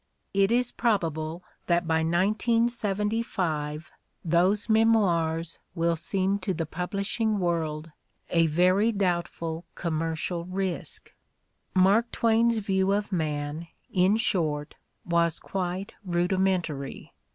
It is probable that by 1975 those memoirs will seem to the publishing world a very doubt ful commercial risk. Mark Twain's view of man, in short, was quite rudi mentary.